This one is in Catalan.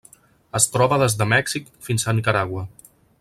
Es troba des de Mèxic fins a Nicaragua.